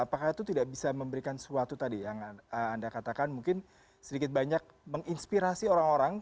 apakah itu tidak bisa memberikan sesuatu tadi yang anda katakan mungkin sedikit banyak menginspirasi orang orang